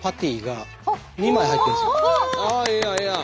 ええやんええやん。